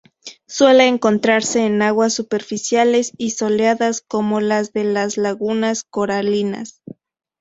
Suele encontrarse en aguas superficiales y soleadas como las de las lagunas coralinas.